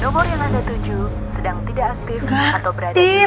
nomor yang anda tuju sedang tidak aktif atau beraktif